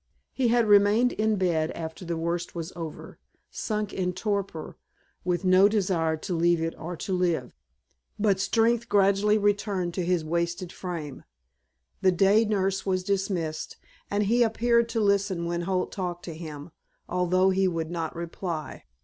He had remained in bed after the worst was over, sunk in torpor, with no desire to leave it or to live. But strength gradually returned to his wasted frame, the day nurse was dismissed, and he appeared to listen when Holt talked to him, although he would not reply.